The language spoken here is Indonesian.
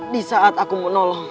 di saat aku menolak